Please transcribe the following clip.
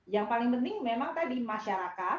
yang paling penting memang tadi masyarakat